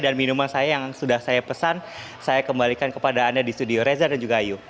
dan minuman saya yang sudah saya pesan saya kembalikan kepada anda di studio reza dan juga ayu